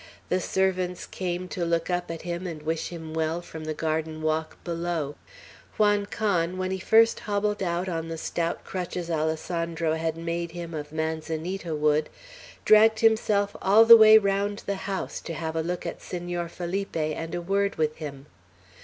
The servants came to look up at him, and wish him well, from the garden walk below. Juan Can, when he first hobbled out on the stout crutches Alessandro had made him of manzanita wood, dragged himself all the way round the house, to have a look at Senor Felipe and a word with him.